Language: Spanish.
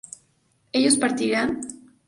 ¿ellos partieran?